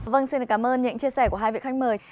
vâng xin cảm ơn những chia sẻ của hai vị khách mời